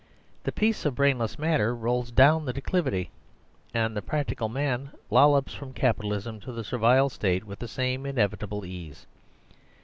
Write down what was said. The piece of brainless matter rolls down the declivity, and the Practical Man lollops from Capitalism to the Servile State with the same inevi table ease.